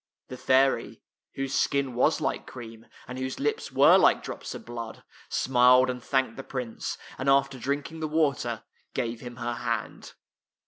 The fairy, whose skin was like cream, and whose lips were like drops of blood, smiled and thanked the Prince, and after di*inking the water, gave him her hand.